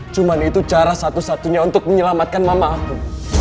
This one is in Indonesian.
cuma itu cara satu satunya untuk menyelamatkan mama aku